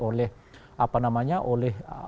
oleh apa namanya oleh